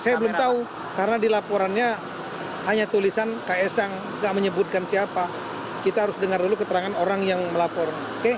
saya belum tahu karena di laporannya hanya tulisan ks sang gak menyebutkan siapa kita harus dengar dulu keterangan orang yang melapor